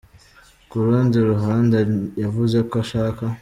Ku rundi ruhande, yavuze ko ashaka.